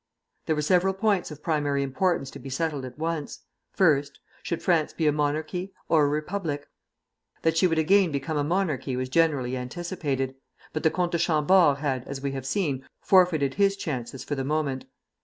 There were several points of primary importance to be settled at once; first: should France be a monarchy, or a republic? That she would again become a monarchy was generally anticipated; but the Comte de Chambord had, as we have seen, forfeited his chances for the moment.